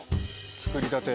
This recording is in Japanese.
作りたて！